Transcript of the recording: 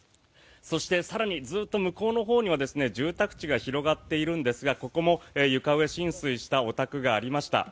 そして、更にずっと向こうのほうには住宅地が広がっているんですがここも床上浸水したお宅がありました。